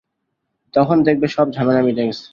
তখন দেখবে, সব ঝামেলা মিটে গেছে!